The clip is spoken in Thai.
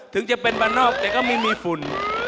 ถึงจะเป็นบ้านนอกแต่ก็ไม่มีฝุ่น